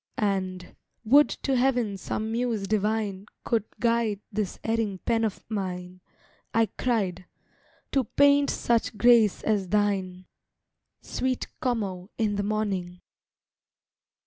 And—"Would to Heaven some Muse divine Could guide this erring pen of mine," I cried, "to paint such grace as thine, Sweet Como in the morning!"